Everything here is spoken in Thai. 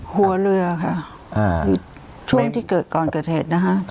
หัวเรือค่ะช่วงที่เกิดก่อนเกิดเหตุนะคะ